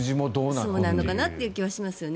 そうなのかなという気はしますよね。